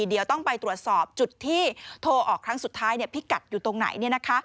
เดี๋ยวต้องไปตรวจสอบจุดที่โทรออกครั้งสุดท้ายพิกัดอยู่ตรงไหน